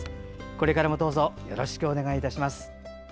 これからもどうぞよろしくお願いいたします。